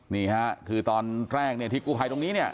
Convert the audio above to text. นี่ค่ะคือตอนแรกเนี่ยที่กู้ภัยตรงนี้เนี่ย